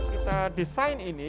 kita desain ini